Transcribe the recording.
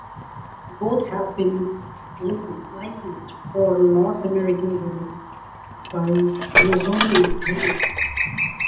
Both have been licensed for North American release by Nozomi Entertainment.